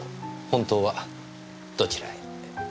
本当はどちらへ？